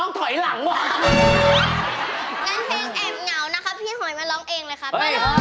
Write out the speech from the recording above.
งั้นเพลงแอบเหงานะครับพี่หอยมาร้องเองเลยครับ